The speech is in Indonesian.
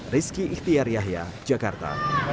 rizky ikhtiar yahya jakarta